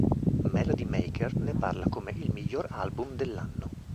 Melody Maker ne parla come "miglior album dell'anno".